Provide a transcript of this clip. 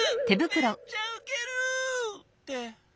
めっちゃウケる！って。